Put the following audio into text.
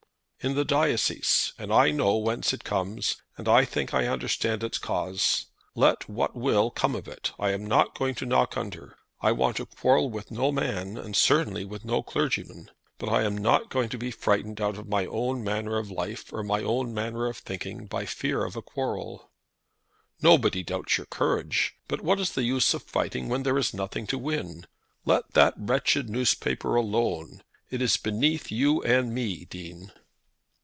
"In the diocese. And I know whence it comes, and I think I understand its cause. Let what will come of it I am not going to knock under. I want to quarrel with no man, and certainly with no clergyman, but I am not going to be frightened out of my own manner of life or my own manner of thinking by fear of a quarrel." "Nobody doubts your courage; but what is the use of fighting when there is nothing to win. Let that wretched newspaper alone. It is beneath you and me, Dean."